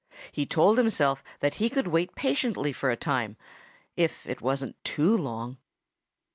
He told himself that he could wait patiently for a time if it wasn't too long.